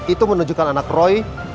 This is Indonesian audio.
itu menunjukkan anak roy